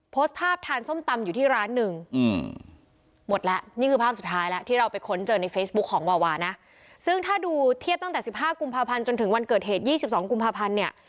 โพสต์ภาพทานส้มตำอยู่ที่ร้านหนึ่งหมดแล้วนี่คือภาพสุดท้ายแล้วที่เราไปค้นเจอในเฟซบุ๊คของวาวานะซึ่งถ้าดูเทียบตั้งแต่๑๕กุมภาพันธ์จนถึงวันเกิดเหตุ๒๒กุมภาพันธ์เนี่ย